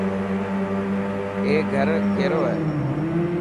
اي گھر ڪيرو هي.